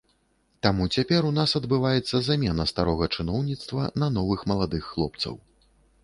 Таму цяпер у нас адбываецца замена старога чыноўніцтва на новых маладых хлопцаў.